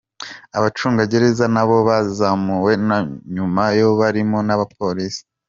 Abacungagereza nabo bazamuwe nyuma y’abarimu n’abapolisi.